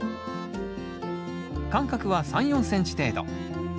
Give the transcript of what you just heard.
間隔は３４ｃｍ程度。